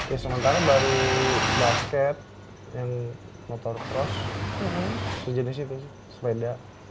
ya sementara baru basket yang motor cross sejenis itu sih sepeda